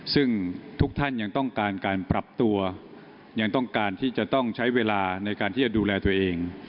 ซึ่งทุกท่านยังต้องการการปรับตัวยังต้องการที่จะต้องใช้เวลาในการที่จะดูแลตัวเอง